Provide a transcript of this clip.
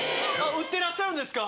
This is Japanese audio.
売ってらっしゃるんですか？